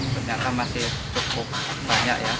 ternyata masih cukup banyak ya